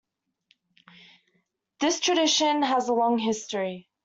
This tradition has a long history.